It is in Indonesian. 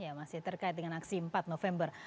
ya masih terkait dengan aksi empat november